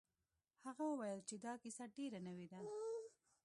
هغه وویل چې دا کیسه ډیره نوې ده.